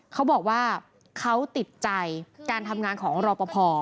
เขาบอกว่าเขาติดใจการทำงานของรอปภ